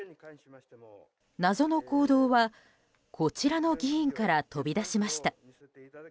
謎の行動は、こちらの議員から飛び出しました。